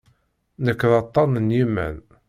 Nekk d aṭṭan n yiman.